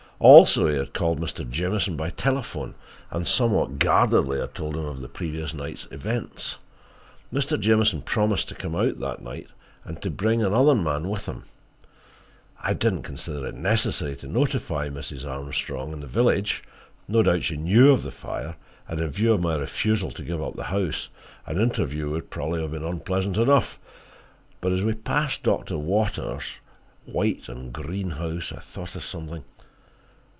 Also, he had called Mr. Jamieson by telephone, and somewhat guardedly had told him of the previous night's events. Mr. Jamieson promised to come out that night, and to bring another man with him. I did not consider it necessary to notify Mrs. Armstrong, in the village. No doubt she knew of the fire, and in view of my refusal to give up the house, an interview would probably have been unpleasant enough. But as we passed Doctor Walker's white and green house I thought of something.